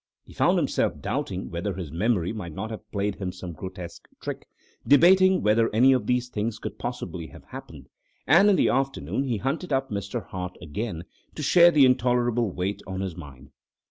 He found himself doubting whether his memory might not have played him some grotesque trick, debating whether any of these things could possibly have happened; and in the afternoon he hunted up Mr. Hart again to share the intolerable weight on his mind.